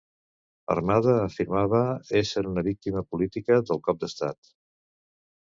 Armada afirmava ésser una víctima política del cop d'estat.